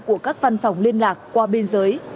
của các văn phòng liên lạc qua biên giới